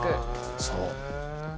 そう。